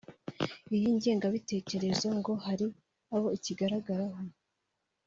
Iyi ngengabitekerezo ngo hari abo ikigaragaraho